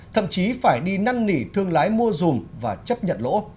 thậm chí phải đi năn nỉ thương lái mua dùm và chấp nhận lỗ